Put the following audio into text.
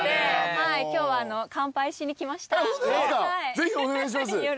ぜひお願いします。